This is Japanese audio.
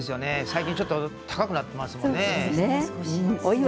最近ちょっと高くなっていますものね。